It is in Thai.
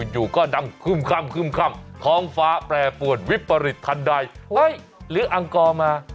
อยู่ก็นำคืมคำท้องฟ้าแปรปวดวิปริศทันใดหรืออังกษ์มา